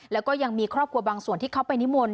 แล้วก็ยังมีครอบครัวบางส่วนที่เขาไปนิมนต์